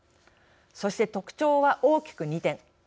そして、特徴は大きく２点。